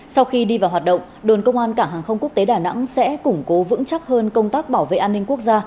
sau khi đi vào hoạt động đồn công an cảng hàng không quốc tế đà nẵng sẽ củng cố vững chắc hơn công tác bảo vệ an ninh quốc gia